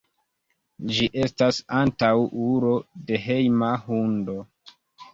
Ĝi estas antaŭulo de hejma hundo.